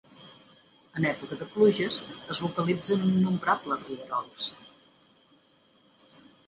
En època de pluges es localitzen innombrables rierols.